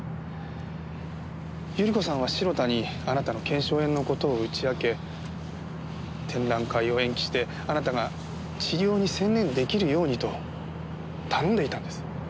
百合子さんは城田にあなたの腱鞘炎の事を打ち明け展覧会を延期してあなたが治療に専念出来るようにと頼んでいたんです。